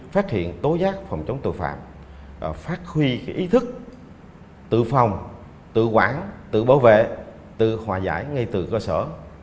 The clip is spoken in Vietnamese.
phát hiện tố giác phòng chống tội phạm phát huy ý thức tự phòng tự quản tự bảo vệ tự hòa giải ngay từ cơ sở